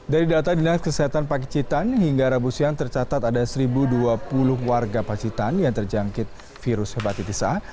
dari data dinas kesehatan pacitan hingga rabu siang tercatat ada satu dua puluh warga pacitan yang terjangkit virus hepatitis a